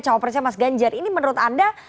cowok persia mas ganjar ini menurut anda